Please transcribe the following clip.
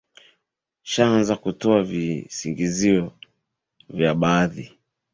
shaaza kutoa visingizio vya baadhi